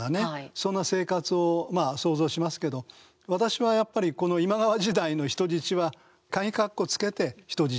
そんな生活をまあ想像しますけど私はやっぱりこの今川時代の人質はカギ括弧をつけて「人質」。